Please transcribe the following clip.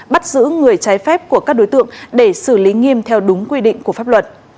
bắt giữ người trái phép của các đối tượng để xử lý nghiêm theo đúng quy định của pháp luật